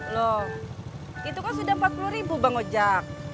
loh itu kan sudah empat puluh ribu bang ujang